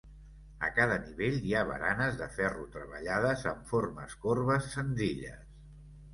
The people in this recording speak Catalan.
A cada nivell hi ha baranes de ferro treballades amb formes corbes senzilles.